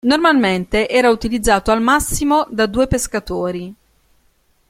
Normalmente era utilizzato al massimo da due pescatori.